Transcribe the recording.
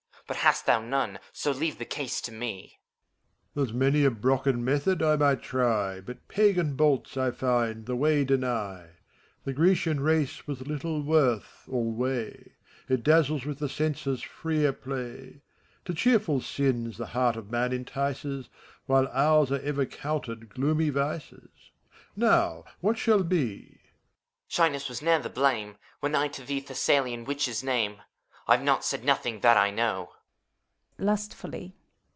But hast thou none, so leave the case to me! MEPHISTOPHELES. There's many a Brocken method I might try. But pagan bolts, I find, the way deny. The Grecian race was little worth, alway; It dazzles with the senses' freer play. To cheerful sins the heart of man entices; While ours are ever counted gloomy vices. Now, what shall be? HOMUNCULUS. Shyness was ne'er thy blame. When I to thee Thessalian witches name, I've not said nothing, that I know.